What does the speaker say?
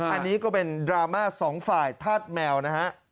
อันนี้ก็เป็นดราม่าสองฝ่ายธาตุแมวนะฮะ